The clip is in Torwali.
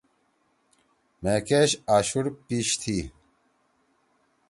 مھے کیش آشُوٹ پیش تھی۔